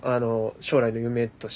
将来の夢として。